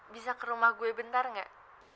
bisa ke rumah gue bentar gak